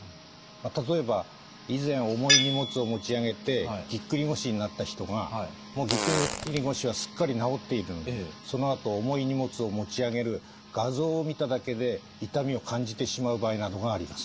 例えば以前重い荷物を持ち上げてぎっくり腰になった人がもうぎっくり腰はすっかり治っているのにそのあと重い荷物を持ち上げる画像を見ただけで痛みを感じてしまう場合などがあります。